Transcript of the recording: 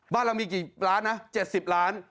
บ้านเรามีกี่ล้านนะ๗๐ล้าน